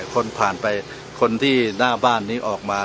คนผ่านไปคนที่หน้าบ้านนี้ออกมา